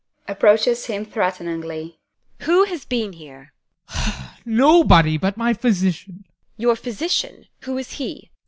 [Approaches him threateningly] Who has been here? ADOLPH. Nobody but my physician. TEKLA. Your physician? Who is he?